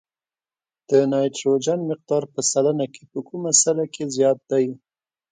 د نایتروجن مقدار په سلنه کې په کومه سره کې زیات دی؟